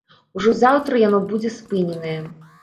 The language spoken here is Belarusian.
Ужо заўтра яно будзе спыненае.